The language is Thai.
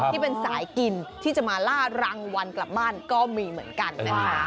ที่เป็นสายกินที่จะมาล่ารางวัลกลับบ้านก็มีเหมือนกันนะคะ